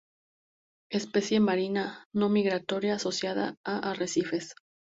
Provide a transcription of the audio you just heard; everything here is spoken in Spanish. Especie marina, no migratoria, asociada a arrecifes.